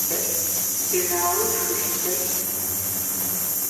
Пеналым тхылъ дэлъ.